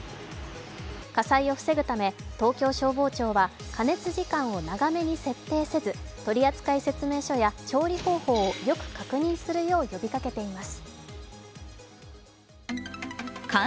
火災を防ぐため、東京消防庁は加熱時間を長めに設定せず取扱説明書や調理方法などをよく確認するよう呼びかけています。